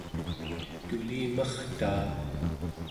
tulimartaa